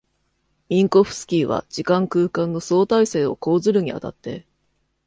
ミンコフスキーは時間空間の相対性を講ずるに当たって、